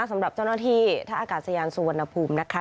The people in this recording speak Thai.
สำหรับเจ้าหน้าที่ท่าอากาศยานสุวรรณภูมินะคะ